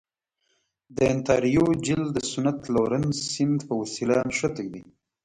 د انتاریو جهیل د سنت لورنس سیند په وسیله نښتی دی.